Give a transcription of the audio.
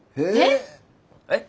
えっ！？